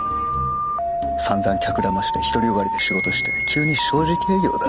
さんざん客だまして独りよがりで仕事して急に正直営業だ？